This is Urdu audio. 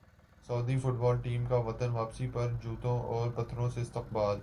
سعودی فٹبال ٹیم کا وطن واپسی پر جوتوں اور پتھروں سے استقبال